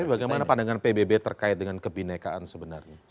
tapi bagaimana pandangan pbb terkait dengan kebinekaan sebenarnya